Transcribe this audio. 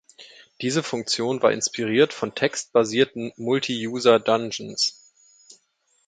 Diese Funktion war inspiriert von textbasierten Multi User Dungeons.